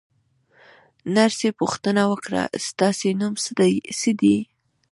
نرسې پوښتنه وکړه: ستاسې نوم څه دی؟